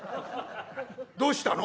どうしたの？」。